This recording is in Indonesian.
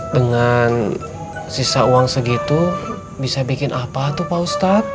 dengan sisa uang segitu bisa bikin apa tuh pak ustadz